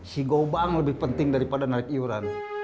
si gobang lebih penting daripada narik iuran